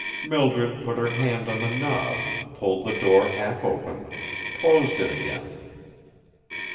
Mildred put her hand on the knob, pulled the door half open, closed it again.